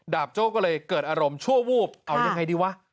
โจ้ก็เลยเกิดอารมณ์ชั่ววูบเอายังไงดีวะ